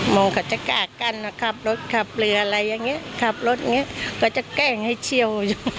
โมงเขาจะกล้ากั้นขับรถขับเรืออะไรอย่างนี้ขับรถอย่างเงี้ยก็จะแกล้งให้เชี่ยว